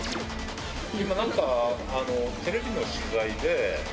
今何かテレビの取材で。